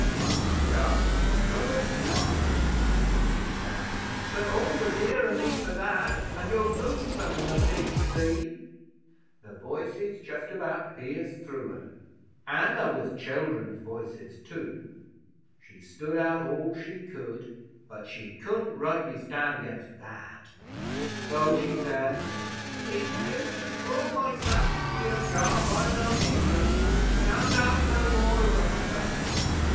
'"One's dumb, an' t'other's blind," she says. "But all the dearer me for that; and you'll lose them in the big sea." The voices justabout pierced through her; an' there was children's voices too. She stood out all she could, but she couldn't rightly stand against that. So she says: "If you can draw my sons for your job, I'll not hinder 'em. You can't ask no more of a Mother."